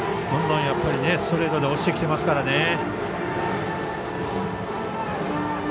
どんどんストレートで押してきてますからね。